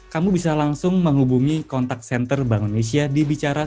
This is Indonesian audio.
kamu bisa langsung menghubungi kontak senter bank indonesia di bicara satu ratus tiga puluh satu